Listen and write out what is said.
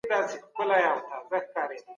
د ژوند قدر وکړئ.